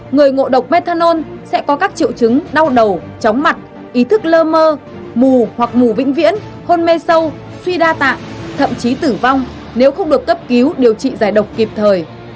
người ngộ độc methanol sẽ có các triệu chứng đau đầu chóng mặt ý thức lơ mơ mù hoặc mù vĩnh viễn hôn mê sâu suy đa tạ thậm chí tử vong nếu không được cấp cứu điều trị giải độc kịp thời